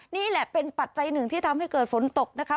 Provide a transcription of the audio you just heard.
นี่แหละเป็นปัจจัยหนึ่งที่ทำให้เกิดฝนตกนะคะ